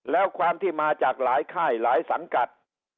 แล้วความที่มาจากหลายค่ายหลายสังกัด